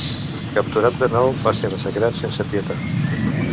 Capturat de nou, va ser massacrat sense pietat.